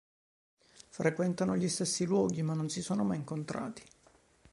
Frequentano gli stessi luoghi, ma non si sono mai incontrati.